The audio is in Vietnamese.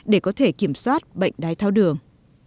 để có thể kiểm soát bệnh đáy tháo đường